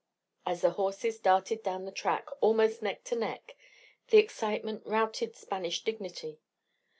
As the horses darted down the track almost neck to neck, the excitement routed Spanish dignity.